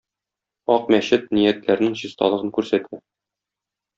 Ак мәчет ниятләрнең чисталыгын күрсәтә.